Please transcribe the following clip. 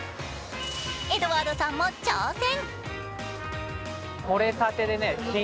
エドワードさんも挑戦。